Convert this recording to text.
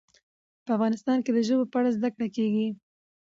په افغانستان کې د ژبو په اړه زده کړه کېږي.